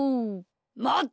まって！